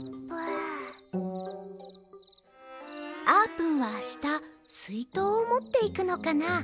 あーぷんはあしたすいとうをもっていくのかな？